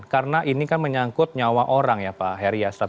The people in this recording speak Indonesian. karena ini kan menyangkut nyawa orang ya pak